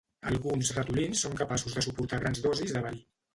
Alguns ratolins són capaços de suportar grans dosis de verí.